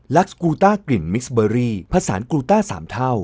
ลักษณ์กูลต้ากลิ่นมิกซ์เบอรี่ผัสานกูลต้า๓เท่า